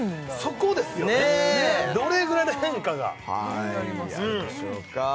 そこですよねどれぐらいの変化がはいあるでしょうか